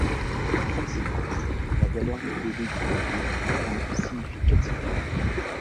En conséquence, la valeur des baudets du Poitou grimpe significativement.